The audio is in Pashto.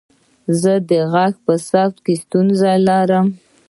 زه د غږ په ثبت کې ستونزه لرم.